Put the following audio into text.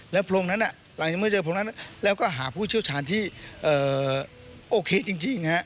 โพรงนั้นหลังจากเมื่อเจอโพรงนั้นแล้วก็หาผู้เชี่ยวชาญที่โอเคจริง